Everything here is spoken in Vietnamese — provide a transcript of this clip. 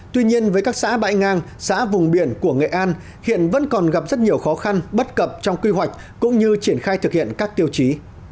tuy nhiên với các xã bãi ngang xã vùng biển của nghệ an hiện vẫn còn gặp rất nhiều khó khăn bất cập trong quy hoạch cũng như triển khai thực hiện các tiêu chí